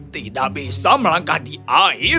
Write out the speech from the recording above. tidak bisa melangkah di air